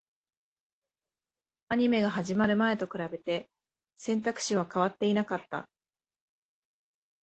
アニメが始まる前と比べて、選択肢は変わっていなかった